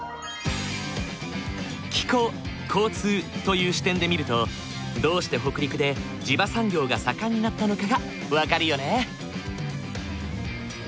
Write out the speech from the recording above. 気候交通という視点で見るとどうして北陸で地場産業が盛んになったのかが分かるよね。